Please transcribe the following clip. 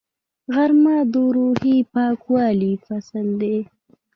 غرمه د روحي پاکوالي فصل دی